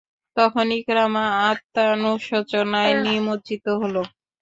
তখন ইকরামা আত্মানুশোচনায় নিমজ্জিত হল।